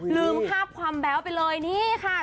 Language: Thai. ลืมภาพความแบ๊วไปเลยนี่ค่ะ